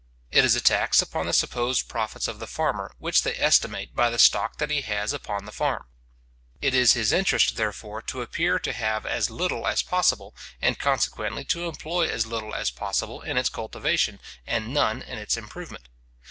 It is a tax upon the supposed profits of the farmer, which they estimate by the stock that he has upon the farm. It is his interest, therefore, to appear to have as little as possible, and consequently to employ as little as possible in its cultivation, and none in its improvement.